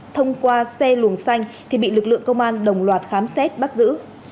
thông qua xe luồng xanh thì bị lực lượng công an đồng loạt khám xét bắt giữ